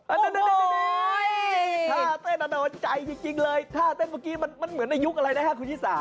อันนี้ท่าเต้นอโนใจจริงเลยท่าเต้นเมื่อกี้มันเหมือนในยุคอะไรนะครับคุณชิสา